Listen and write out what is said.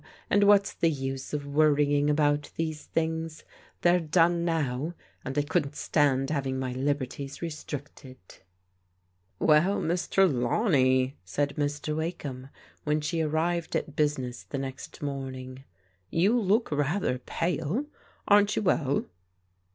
And what's the use of worrying about these things ! They're done now, and I couldn't stand having my liberties restricted." "Well, Miss Trelaweny," said Mr. Wakeham when she arrived at business the next morning, "you look rather pale. Aren't you well